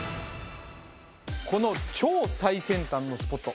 この超最先端のスポット